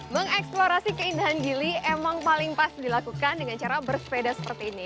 mengeksplorasi keindahan gili emang paling pas dilakukan dengan cara bersepeda seperti ini